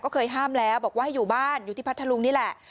ก็เคยห้ามแล้วบอกว่าให้อยู่บ้านอยู่ที่พัทธลุงนี่แหละ